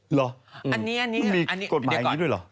หรอมันมีกฎหมายอย่างนี้ด้วยเหรอ